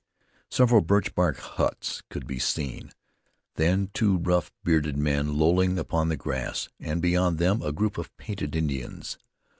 Several birch bark huts could be seen; then two rough bearded men lolling upon the grass, and beyond them a group of painted Indians.